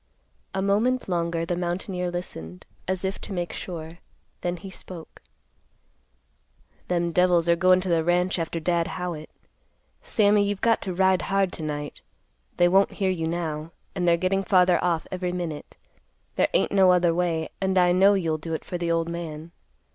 A moment longer the mountaineer listened, as if to make sure; then he spoke; "Them devils are goin' to the ranch after Dad Howitt. Sammy, you've got to ride hard to night. They won't hear you now, and they're getting farther off every minute. There ain't no other way, and, I know you'll do it for the old man.